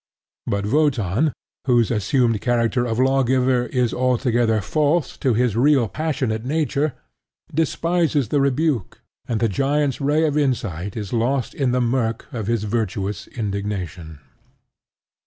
But Wotan, whose assumed character of law giver is altogether false to his real passionate nature, despises the rebuke; and the giant's ray of insight is lost in the murk of his virtuous indignation.